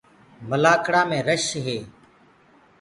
مَلآکڙآ مينٚ رش هي۔